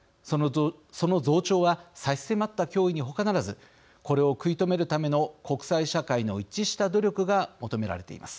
その増長は差し迫った脅威に他ならずこれを食い止めるための国際社会の一致した努力が求められています。